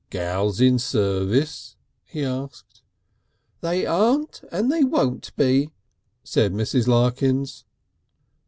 "Gals in service?" he asked. "They aren't and they won't be," said Mrs. Larkins.